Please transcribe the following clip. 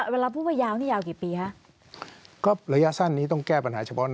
เวลาพูดว่ายาวนี่ยาวกี่ปีครับ